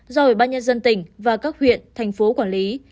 do ủy ban nhân dân tỉnh và các huyện thành phố quản lý